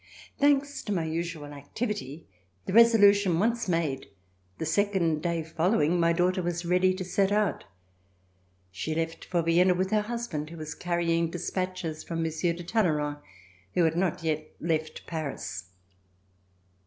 Thanks to my usual activity, the resolution once made, the second day following my daughter was ready to set out. She left for Vienna with her husband, who was carrying dis patches from Monsieur de Talleyrand who had not yet left Paris.